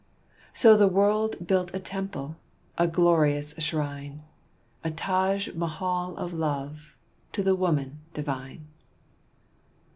So the World built a temple a glorious shrine A Taj Mahal of love to the woman divine.